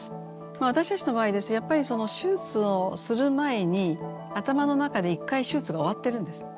私たちの場合ですとやっぱりその手術をする前に頭の中で一回手術が終わってるんです。